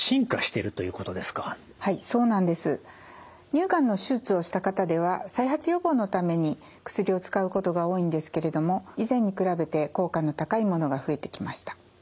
乳がんの手術をした方では再発予防のために薬を使うことが多いんですけれども以前に比べて効果の高いものが増えてきました。